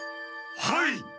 はい！